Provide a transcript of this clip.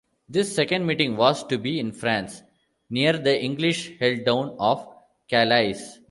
This second meeting was to be in France, near the English-held town of Calais.